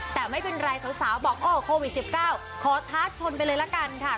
แต่ไม่เป็นไรสาวบอกโอ้โควิด๑๙ขอท้าชนไปเลยละกันค่ะ